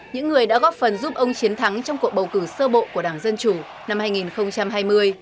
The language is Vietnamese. những người đã góp phần giúp ông chiến thắng trong cuộc bầu cử sơ bộ của đảng dân chủ năm hai nghìn hai mươi